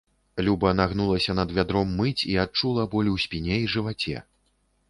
Люба нагнулася над вядром мыць і адчула боль у спіне і жываце.